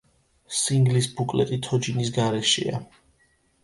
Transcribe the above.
სინგლის ბუკლეტი თოჯინის გარეშეა.